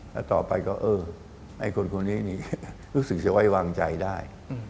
แล้วต่อไปก็เออไอ้คนนี้นี่รู้สึกจะไว้วางใจได้